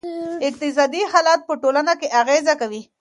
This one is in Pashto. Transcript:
اقتصادي حالت په ټولنه اغېزه کوي.